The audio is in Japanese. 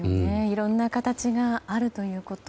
いろんな形があるということ。